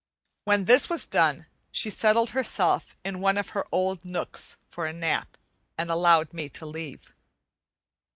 When this was done, she settled herself in one of her old nooks for a nap and allowed me to leave.